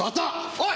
おい！